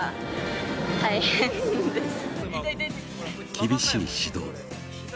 厳しい指導。